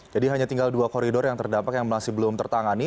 jadi hanya tinggal dua koridor yang terdampak yang masih belum tertangani